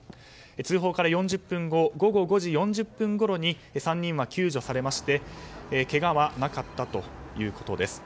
通報から４０分後午後５時４０分ごろに３人は救助されましてけがはなかったということです。